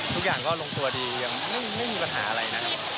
ทุกอย่างก็ลงตัวดียังไม่มีปัญหาอะไรนะครับ